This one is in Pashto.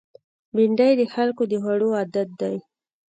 بېنډۍ د خلکو د خوړو عادت دی